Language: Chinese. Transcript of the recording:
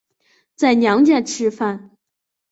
在娘家吃饭